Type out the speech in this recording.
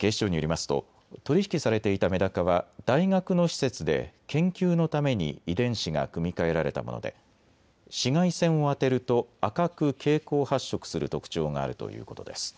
警視庁によりますと取り引きされていたメダカは大学の施設で研究のために遺伝子が組み換えられたもので紫外線を当てると赤く蛍光発色する特徴があるということです。